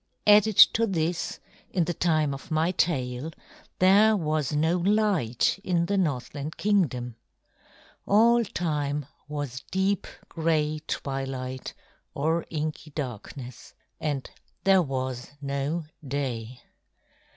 Added to this, in the time of my tale there was no light in the Northland Kingdom. All time was deep gray twilight or inky darkness, and there was no day.